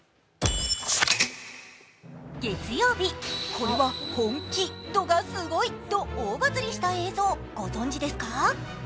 月曜日、これは本気度がすごいと大バズりした映像ご存じですか。